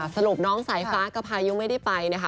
สรุปน้องสายฟ้ากับพายุไม่ได้ไปนะคะ